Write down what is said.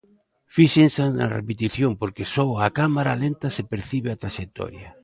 Fíxense na repetición porque só a cámara lenta se percibe a traxectoria.